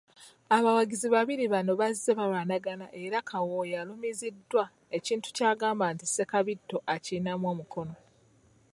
Abawagizi babiri bano bazze balwanagana era Kawooya alumiziddwa ekintu ky'agamba nti Ssekabiito akirinamu omukono.